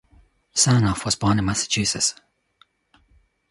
Sarnoff was born in Massachusetts.